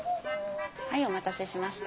はいお待たせしました。